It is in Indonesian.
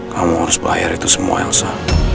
kamu harus bayar itu semua elsa